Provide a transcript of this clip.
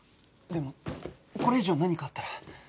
でもこれ以上何かあったら。